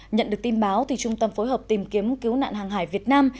nhận được tin báo trung tâm phối hợp tìm kiếm cứu nạn hàng hải việt nam